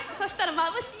まぶしい。